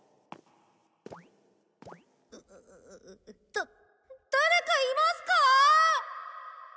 だ誰かいますか？